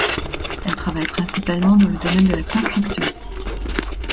Elle travaille principalement dans le domaine de la construction.